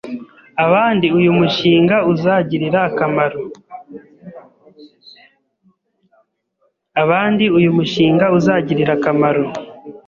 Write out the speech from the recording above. abandi uyu mushinga uzagirira akamaro